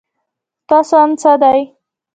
ستاسو اند څه دی؟